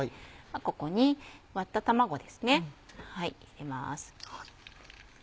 ここに割った卵ですね入れます。